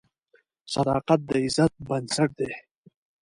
صداقت د عزت بنسټ دی.